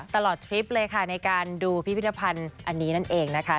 ทริปเลยค่ะในการดูพิพิธภัณฑ์อันนี้นั่นเองนะคะ